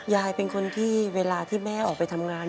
ยายเป็นคนที่เวลาที่แม่ออกไปทำงาน